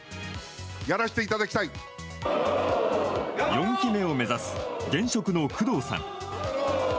４期目を目指す現職の工藤さん。